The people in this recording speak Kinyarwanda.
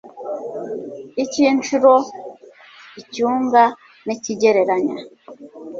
icy'inshuro, icyunga n'ikigereranya